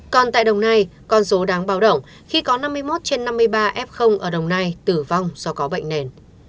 còn tại đồng nai con số đáng báo động khi có năm mươi một trên năm mươi ba f ở đồng nai tử vong do có bệnh nền